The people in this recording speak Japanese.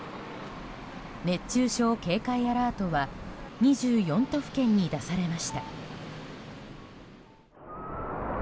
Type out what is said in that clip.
熱中症警戒アラートは２４都府県に出されました。